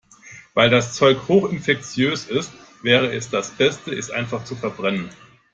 Weil das Zeug hoch infektiös ist, wäre es das Beste, es einfach zu verbrennen.